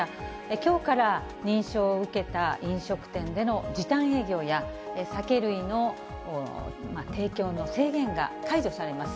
きょうから、認証を受けた飲食店での時短営業や酒類の提供の制限が解除されます。